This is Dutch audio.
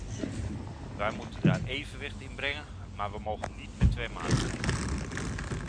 Wij moeten daar evenwicht in brengen, maar we mogen niet met twee maten meten.